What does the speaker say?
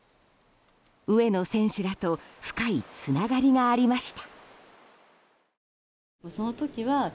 上野選手らと深いつながりがありました。